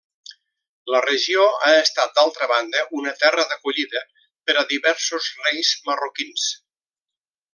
La regió ha estat d'altra banda una terra d'acollida per a diversos reis marroquins.